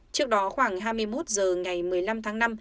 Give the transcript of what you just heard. trước đó khoảng hai mươi một h ngày một mươi năm tháng năm